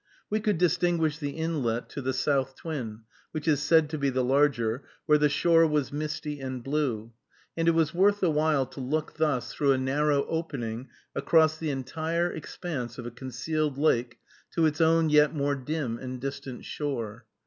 We could distinguish the inlet to the South Twin, which is said to be the larger, where the shore was misty and blue, and it was worth the while to look thus through a narrow opening across the entire expanse of a concealed lake to its own yet more dim and distant shore.